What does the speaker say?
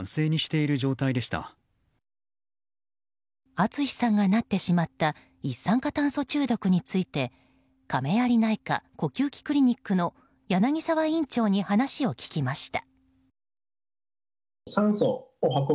ＡＴＳＵＳＨＩさんがなってしまった一酸化炭素中毒について亀有内科・呼吸器クリニックの柳澤院長に話を聞きました。